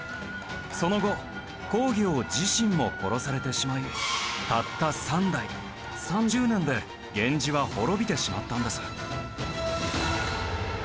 その後公暁自身も殺されてしまいたった３代３０年で源氏は滅びてしまったんです。